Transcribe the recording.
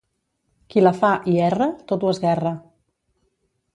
Qui la fa i erra, tot ho esguerra.